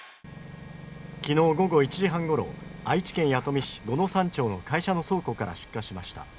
昨日午後１時半ごろ愛知県弥富市五之三町の会社の倉庫から出火しました。